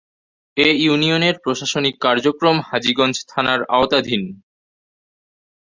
এ ইউনিয়নের প্রশাসনিক কার্যক্রম হাজীগঞ্জ থানার আওতাধীন।